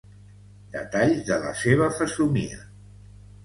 —Detalls de la seva fesomia.